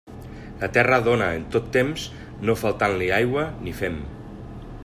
La terra dóna en tot temps no faltant-li aigua ni fem.